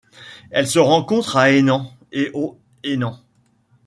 Elle se rencontre à Hainan et au Henan.